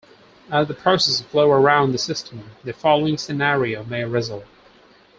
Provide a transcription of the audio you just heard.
As the processes flow around the system, the following scenario may result.